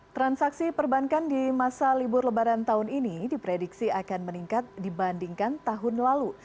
transaksi perbankan di masa libur lebaran tahun ini diprediksi akan meningkat dibandingkan tahun lalu